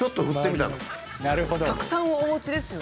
たくさんお持ちですよね。